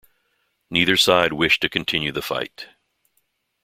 Neither side wished to continue the fight.